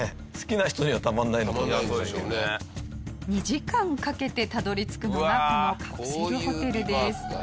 ２時間かけてたどり着くのがこのカプセルホテルです。